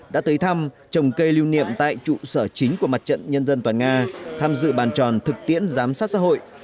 đã tới thăm trồng cây lưu niệm tại trụ sở chính của mặt trận nhân dân toàn nga tham dự bàn tròn thực tiễn giám sát xã hội